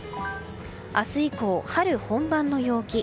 明日以降、春本番の陽気。